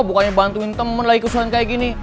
bukannya bantuin temen lagi kerusuhan kayak gini